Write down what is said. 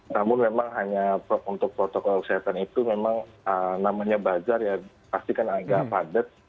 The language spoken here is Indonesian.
namun memang hanya untuk protokol kesehatan itu memang namanya bazar ya pasti kan agak padat